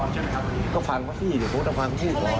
ก็ฟังเขาสิเดี๋ยวเขาจะฟังพี่ก่อน